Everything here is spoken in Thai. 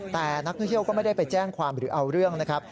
แต่นักท่องเที่ยวก็ไม่ได้ไปแจ้งความหรือเอาเรื่องนะครับ